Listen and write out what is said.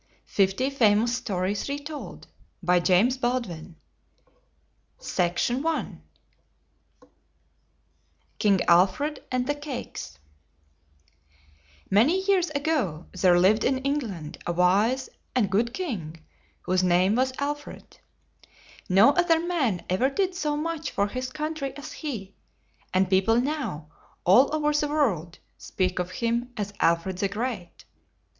FIFTY FAMOUS STORIES RETOLD. KING ALFRED AND THE CAKES. Many years ago there lived in Eng land a wise and good king whose name was Al fred. No other man ever did so much for his country as he; and people now, all over the world, speak of him as Alfred the Great.